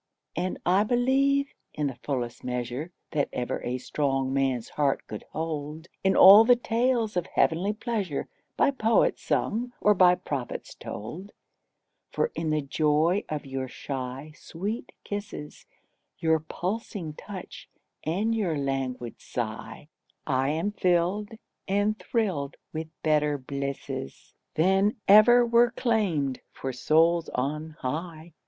And I believe, in the fullest measure That ever a strong man's heart could hold, In all the tales of heavenly pleasure By poets sung or by prophets told; For in the joy of your shy, sweet kisses, Your pulsing touch and your languid sigh I am filled and thrilled with better blisses Than ever were claimed for souls on high.